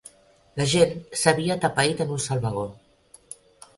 La gent s'havia atapeït en un sol vagó.